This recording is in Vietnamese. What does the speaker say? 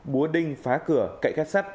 búa đinh phá cửa cậy cắt sắt